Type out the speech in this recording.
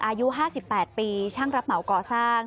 อายุ๕๘ปีช่างรับเหมาก่อสร้าง